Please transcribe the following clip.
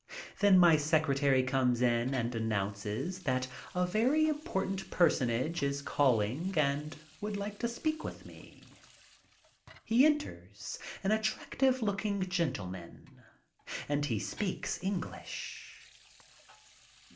Then my secretary comes in and announces that a very important personage is calling and would speak with me. He enters, an attractive looking gentleman, and he speaks English.